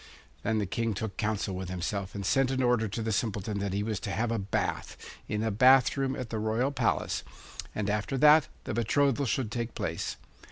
Then the King took counsel with himself and sent an order to the Simpleton that he was to have a bath, in a bath room at the royal palace, and after that the betrothal should take place.